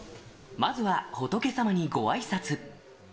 まずは、仏様にごあいさつ。